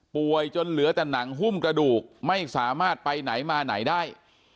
จนเหลือแต่หนังหุ้มกระดูกไม่สามารถไปไหนมาไหนได้